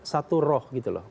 satu roh gitu loh